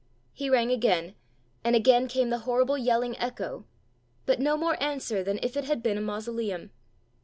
He rang again, and again came the horrible yelling echo, but no more answer than if it had been a mausoleum.